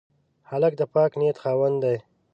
هلک د پاک نیت خاوند دی.